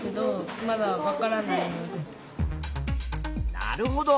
なるほど。